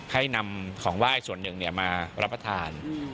ให้นำของไหว้ส่วนหนึ่งมารับประทาน